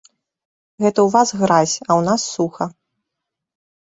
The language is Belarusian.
Гэта ў вас гразь, а ў нас суха!